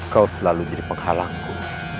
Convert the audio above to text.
kau selalu jadi penghalangku